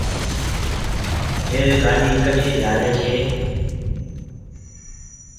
ريل گآڏي ڪٺ جآوي ڇي۔